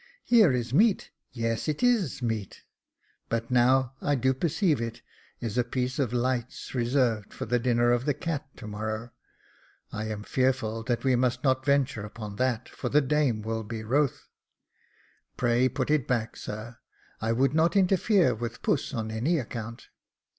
Here is meat — yes, it is meat ; but now do I perceive it is a piece of lights reserved for the dinner of the cat to morrow. I am fearful that we Jacob Faithful 383 must not venture upon that, for the dame will be wroth." " Pray put it back, sir ; I would not interfere with puss on any account."